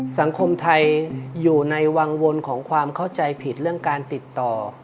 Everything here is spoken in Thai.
สังคมไทยอยู่ในวังวลของความเข้าใจผิดเรื่องการติดต่อ